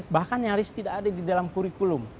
bahkan nyaris tidak ada di dalam kurikulum